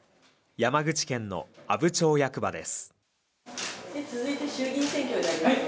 山口県の阿武町役場です